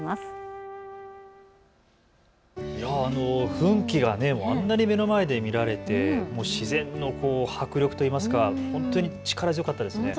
噴気があんなに目の前で見られて自然の迫力といいますか本当に力強かったですね。